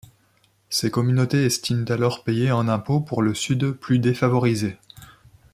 Ces communautés estiment alors payer en impôts pour le sud plus défavorisé.